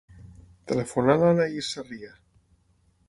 Telefona a l'Anaïs Sarria.